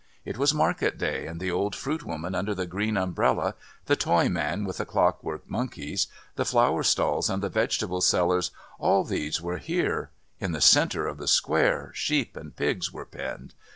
It was market day, and the old fruit woman under the green umbrella, the toy man with the clockwork monkeys, the flower stalls and the vegetable sellers, all these were here; in the centre of the square, sheep and pigs were penned.